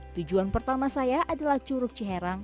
tujuan pertama saya adalah curug ciherang